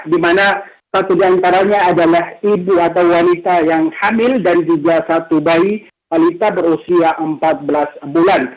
di mana satu diantaranya adalah ibu atau wanita yang hamil dan juga satu bayi wanita berusia empat belas bulan